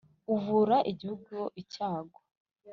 uvura igihugu icyago,